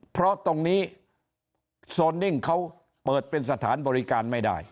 เพราะตรงนี้โซนนิ่งเขาเปิดเป็นสถานบริการไม่ได้